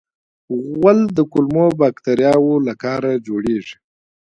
غول د کولمو باکتریاوو له کاره جوړېږي.